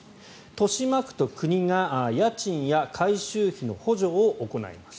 豊島区と国が家賃や改修費の補助を行います。